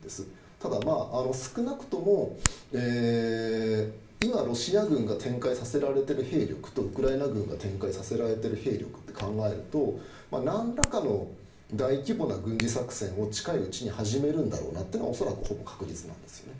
ただ、少なくとも今、ロシア軍が展開させられている兵力とウクライナ軍が展開させられている兵力と考えるとなんらかの大規模な軍事作戦を近いうちに始めるんだろうなというのは恐らくほぼ確実なんですね。